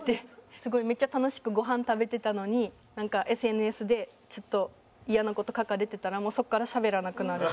すごいめっちゃ楽しくごはん食べてたのになんかＳＮＳでちょっとイヤな事書かれてたらもうそこからしゃべらなくなるとか。